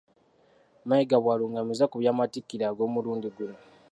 Mayiga bw'alungamizza ku by'amatikira ag'omulundi guno.